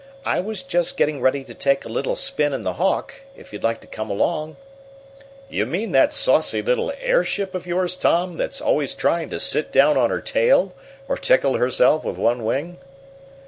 I was just getting ready to take a little spin in the Hawk, and if you'd like to come along " "You mean that saucy little airship of yours, Tom, that's always trying to sit down on her tail, or tickle herself with one wing?"